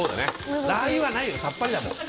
ラー油はないよさっぱりだもん。